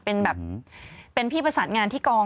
เป็นแบบเป็นพี่ประสานงานที่กอง